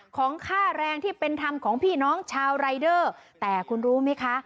ของค่าแรงที่เป็นธรรมของพี่น้องชาวรายเดอร์แต่คุณรู้ไหมคะ